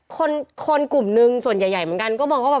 คนกลุ่มนึงส่วนใหญ่เหมือนกันก็บอกว่า